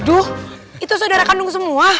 aduh itu saudara kandung semua